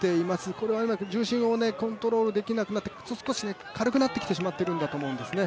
これは重心をコントロール出来なくなって少し軽くなってきてしまってるんだと思うんですね。